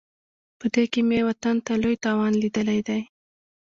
په دې کې مې وطن ته لوی تاوان لیدلی دی.